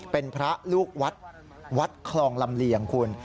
เป็นพระลูกวัดวัดคลองลำเลียงคุณ